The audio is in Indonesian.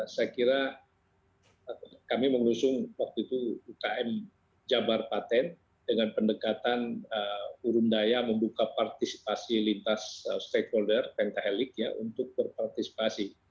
saya kira kami mengusung waktu itu ukm jabar paten dengan pendekatan urun daya membuka partisipasi lintas stakeholder pentahelik ya untuk berpartisipasi